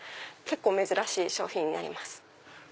結構珍しい商品になります。